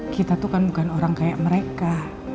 kita tuh kan bukan orang kayak mereka